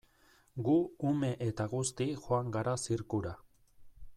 Gu ume eta guzti joan gara zirkura.